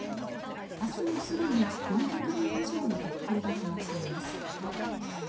明日もすでに４００便以上の欠航が決まっています。